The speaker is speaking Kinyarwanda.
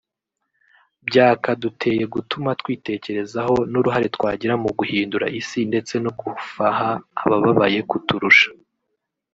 byakaduteye gutuma twitekerezaho n’uruhare twagira mu guhindura isi ndetse no gufaha ababaye kuturusha